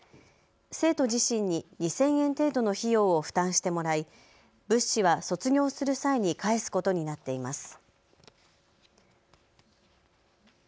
生徒自身に２０００円程度の費用を負担してもらい物資は卒業する際に返すことになっています。